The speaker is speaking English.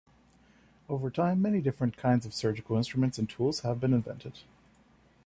Over time, many different kinds of surgical instruments and tools have been invented.